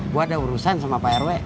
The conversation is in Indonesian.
gue ada urusan sama pak rw